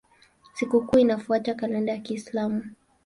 Sikukuu inafuata kalenda ya Kiislamu.